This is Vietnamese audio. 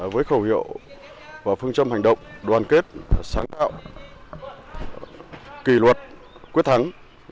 với khẩu hiệu và phương châm hành động đoàn kết sáng tạo kỳ luật quyết thắng